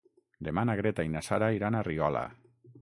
Demà na Greta i na Sara iran a Riola.